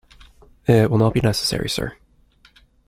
It will not be necessary, sir.